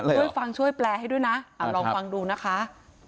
ช่วยฟังช่วยแปลให้ด้วยนะลองฟังดูนะคะ